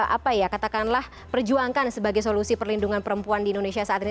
apa ya katakanlah perjuangkan sebagai solusi perlindungan perempuan di indonesia saat ini